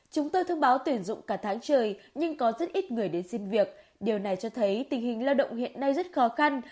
chúng tôi thông báo tuyển dụng cả tháng trời nhưng có rất ít người đến xin việc điều này cho thấy tình hình lao động hiện nay rất khó khăn